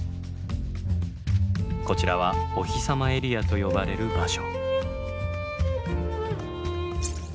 こちらは「おひさまエリア」と呼ばれる場所。